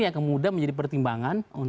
yang mudah untuk menjadi pertimbangan